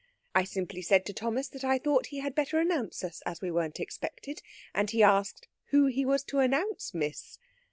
I simply said to Thomas that I thought he had better announce us, as we weren't expected, and he asked who he was to announce, miss!